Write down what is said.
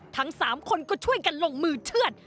ทั้ง๓คนก็ช่วยกันลงมือเชื่อด